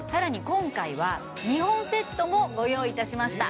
今回は２本セットもご用意いたしました